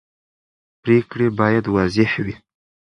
پرېکړې باید واضح وي